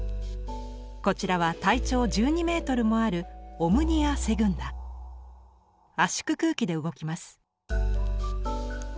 こちらは体長１２ｍもある圧縮空気で動きます。